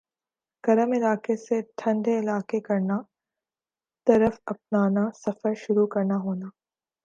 گرم علاقہ سے ٹھنڈے علاقہ کرنا طرف اپنانا سفر شروع کرنا ہونا